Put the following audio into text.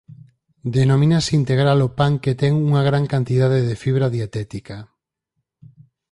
Denomínase integral o pan que ten unha gran cantidade de fibra dietética.